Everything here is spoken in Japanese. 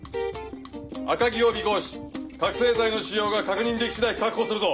赤城を尾行し覚醒剤の使用が確認でき次第確保するぞ。